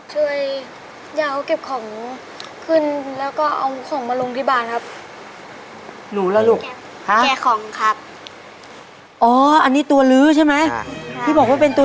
ช่วยยาวเก็บของขึ้นแล้วก็เอาของมาลงที่บ้านครับ